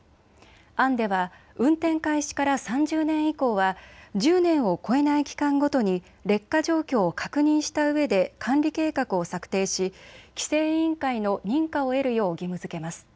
案では運転開始から３０年以降は１０年を超えない期間ごとに劣化状況を確認したうえで管理計画を策定し規制委員会の認可を得るよう義務づけます。